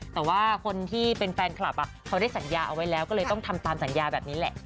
แต่ว่าคนที่เป็นแฟนคลับเขาได้สัญญาเอาไว้แล้วก็เลยต้องทำตามสัญญาแบบนี้แหละ